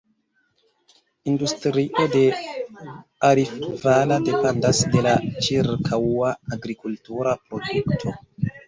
Industrio de Arifvala dependas de la ĉirkaŭa agrikultura produkto.